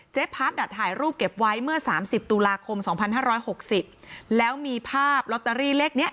เจ๊พัดดัดถ่ายรูปเก็บไว้เมื่อสามสิบตุลาคมสองพันห้าร้อยหกสิบแล้วมีภาพลอตเตอรี่เลขเนี้ย